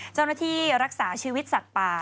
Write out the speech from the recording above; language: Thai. เจ้าหน้าที่รักษาชีวิตสัตว์ป่า